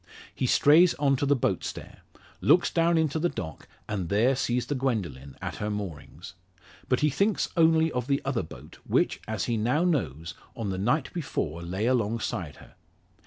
He strays on to the boat stair, looks down into the dock, and there sees the Gwendoline at her moorings. But he thinks only of the other boat, which, as he now knows, on the night before lay alongside her.